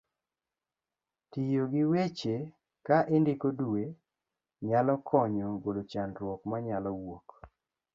tiyo gi weche ka indiko dwe nyalo konyo golo chandruokni manyalo wuok